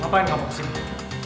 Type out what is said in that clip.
ngapain gak mau kesini